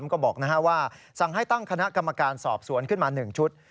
ก็บอกว่าสั่งให้ตั้งคณะกรรมการสอบสวนขึ้นมา๑ชุด